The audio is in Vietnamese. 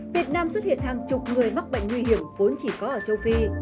việt nam xuất hiện hàng chục người mắc bệnh nguy hiểm vốn chỉ có ở châu phi